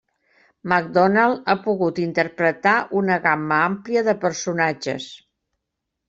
McDonald ha pogut interpretar una gamma àmplia de personatges.